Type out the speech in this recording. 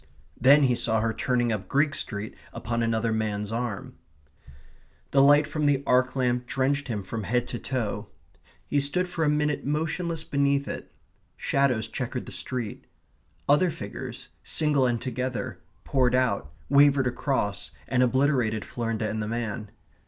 Then he saw her turning up Greek Street upon another man's arm. The light from the arc lamp drenched him from head to toe. He stood for a minute motionless beneath it. Shadows chequered the street. Other figures, single and together, poured out, wavered across, and obliterated Florinda and the man.